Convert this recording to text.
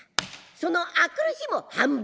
その明くる日も半分。